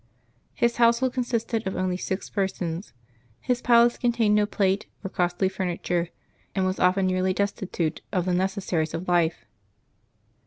His household consisted of only six persons; his palace con tained no plate or costly furniture, and was often nearly destitute of the necessaries of life.